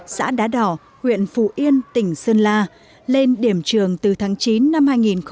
xã đá đỏ huyện phù yên tỉnh sơn la lên điểm trường từ tháng chín năm hai nghìn một mươi tám